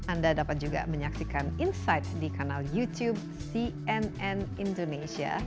anda dapat juga menyaksikan insight di kanal youtube cnn indonesia